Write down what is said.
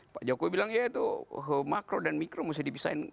pak jokowi bilang ya itu makro dan mikro mesti dipisahin